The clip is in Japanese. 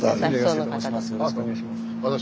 よろしくお願いします。